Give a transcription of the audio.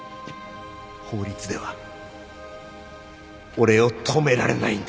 法律では俺を止められないんだよ